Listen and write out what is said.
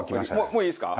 もういいですか？